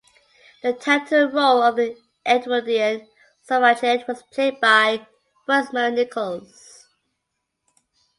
The title role of the Edwardian suffragette was played by Rosemary Nicols.